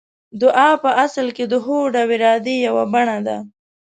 دعا په اصل کې د هوډ او ارادې يوه بڼه ده.